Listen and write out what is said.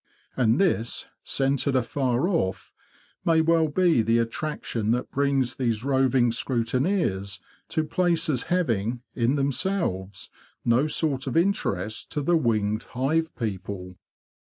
And this, scented afar off, may well be the attraction that brings these roving 180 THE BEE MASTER OF WARRILOW scrutineers to places having, in themselves, no sort of interest to the winged hive people.